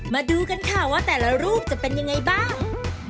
มาดูกันค่ะว่าแต่ละรูปจะเป็นยังไงบ้าง